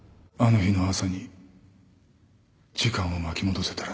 あの日の朝に時間を巻き戻せたらな